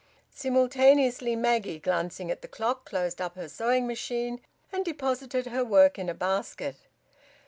Simultaneously Maggie, glancing at the clock, closed up her sewing machine, and deposited her work in a basket.